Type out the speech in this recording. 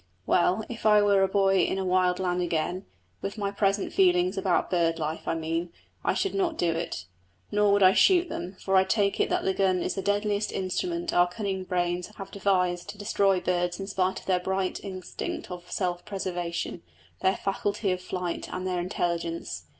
Well, if I were a boy in a wild land again with my present feelings about bird life, I mean I should not do it. Nor would I shoot them; for I take it that the gun is the deadliest instrument our cunning brains have devised to destroy birds in spite of their bright instinct of self preservation, their faculty of flight, and their intelligence.